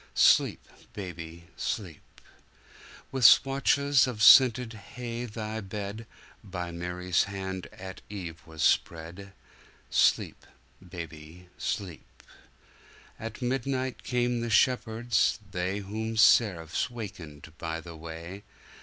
Sleep, baby, sleep! With swathes of scented hay Thy bedBy Mary's hand at eve was spread. Sleep, baby, sleep! At midnight came the shepherds, theyWhom seraphs wakened by the way.